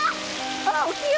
あらおきよ！